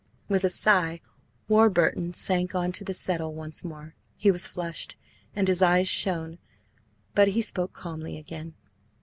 With a sigh, Warburton sank on to the settle once more. He was flushed, and his eyes shone, but he spoke calmly again.